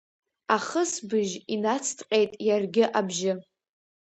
Ахысбжь инацҭҟьеит иаргьы абжьы.